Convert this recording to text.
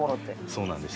そうなんです。